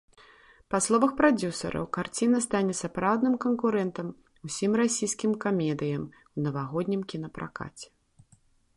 Па словах прадзюсараў, карціна стане сапраўдным канкурэнтам усім расійскім камедыям у навагоднім кінапракаце.